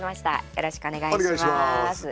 よろしくお願いします。